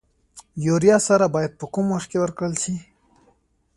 یوریا سره باید په کوم وخت کې ورکړل شي؟